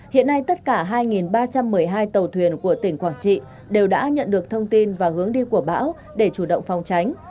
hiện nay tất cả hai ba trăm một mươi hai tàu thuyền của tỉnh quảng trị đều đã nhận được thông tin và hướng đi của bão để chủ động phòng tránh